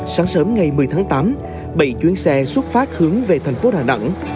sáng sớm ngày một mươi tháng tám bảy chuyến xe xuất phát hướng về thành phố đà nẵng